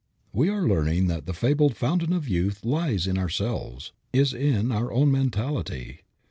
We are learning that the fabled fountain of youth lies in ourselves; is in our own mentality.